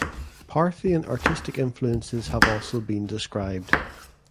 Parthian artistic influences have also been described.